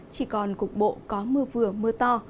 chỉ còn cục bộ có mưa vừa mưa to